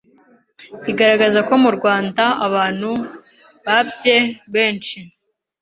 igaragaza ko mu Rwanda abantu babye benshi